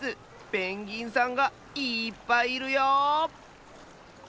ペンギンさんがいっぱいいるよ。